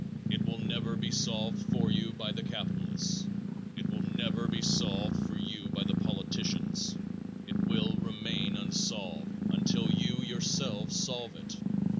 It will never be solved for you by the capitalists. It will never be solved for you by the politicians. It will remain unsolved until you yourselves solve it.